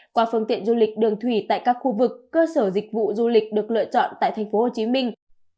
qua phương tiện du lịch đường thủy tại các khu vực cơ sở dịch vụ du lịch được lựa chọn tại thành phố hồ chí minh